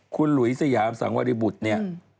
คุณหลุยสยามศังวริบุษนี่